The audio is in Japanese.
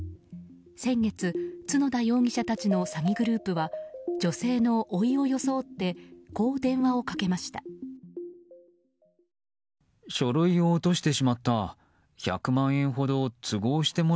先月、角田容疑者たちの詐欺グループは女性のおいを装ってこう電話をかけました。